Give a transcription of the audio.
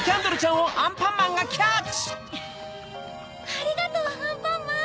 ありがとうアンパンマン。